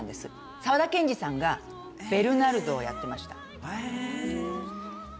沢田研二さんがベルナルドをやってました